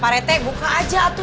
pak rete buka aja tuh